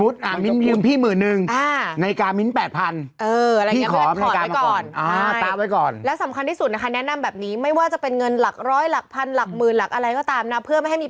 ถ้ายืมหมื่นหนึ่งกว่าขึ้นศาลกว่าทนายอีกก็เกินหมื่นหรือไหม